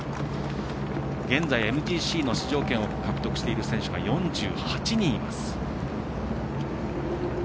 現在、ＭＧＣの出場権を獲得している選手が４８人います。